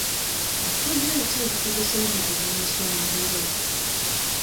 Bukodyo ki obukozesebwa mu kulwanyisa omuliro?